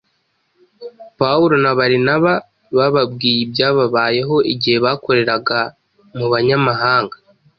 Pawulo na Barinaba bababwiye ibyababayeho igihe bakoreraga mu Banyamahanga.